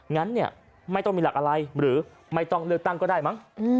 งั้นเนี่ยไม่ต้องมีหลักอะไรหรือไม่ต้องเลือกตั้งก็ได้มั้ง